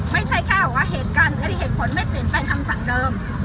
ไม่ใช่แค่เหตุการณ์หรือเหตุผลไม่เปลี่ยนเป็นคำสั่งเดิม